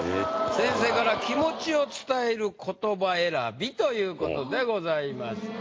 先生から「気持ちを伝える言葉選び！」という事でございました。